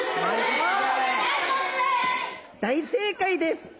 大正解です。